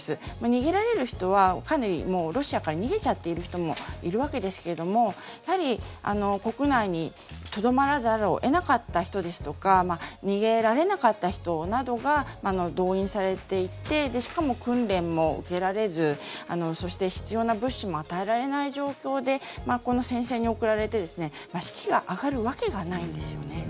逃げられる人はかなりロシアから逃げちゃっている人もいるわけですけれどもやはり国内にとどまらざるを得なかった人ですとか逃げられなかった人などが動員されていてしかも訓練も受けられずそして必要な物資も与えられない状況でこの戦線に送られて士気が上がるわけがないんですよね。